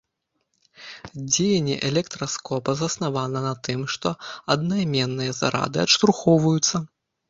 Дзеянне электраскопа заснавана на тым, што аднайменныя зарады адштурхоўваюцца.